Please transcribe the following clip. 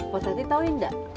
potati tau nggak